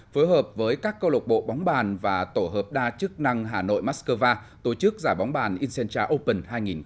phối hợp với các câu lộc bộ bóng bàn và tổ hợp đa chức năng hà nội moscow tổ chức giải bóng bàn incentra open hai nghìn một mươi chín